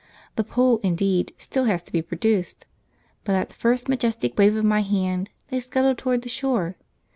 The pole, indeed, still has to be produced, but at the first majestic wave of my hand they scuttle toward the shore.